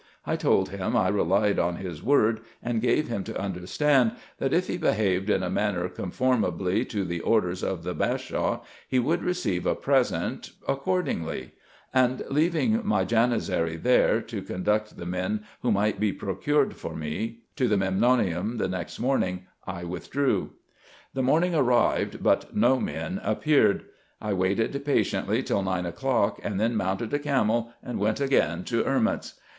I told him I relied on his word, and gave him to under stand, that, if he behaved in a manner conformably to the orders of the Bashaw, he would receive a present accordingly ; and, leaving my Janizary there, to conduct the men who might be procured for me to the Memnonium the next morning, I withdrew. The morning arrived, but no men appeared. I waited patiently till nine o'clock, and then mounted a camel, and went again to Erments.